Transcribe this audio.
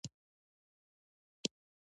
د صادراتو لوړه کچه تقاضا زیاتوي.